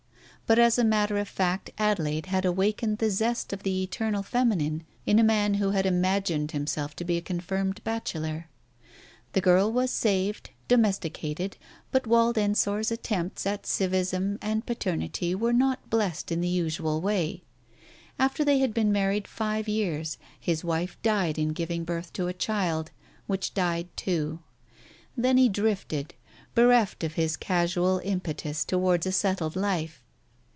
But as a matter of fact Adelaide had awakened the zest of the eternal femin ine in a man who had imagined himself to be a confirmed bachelor. The girl was saved, domesticated, but Wald Ensor's attempts at civism and paternity were not blessed in the usual way. After they had been married five years his wife died in giving birth to a child, which died too. Then he drifted, bereft of his casual impetus towards a settled life.